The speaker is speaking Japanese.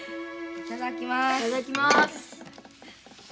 いただきます。